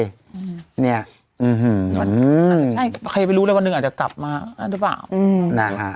ใช่ใครไม่รู้ว่าวันนึงอาจจะกลับมาหรือเปล่า